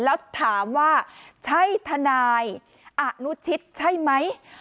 แล้วถามว่าใช่ทนายอนุชิตใช่ไหม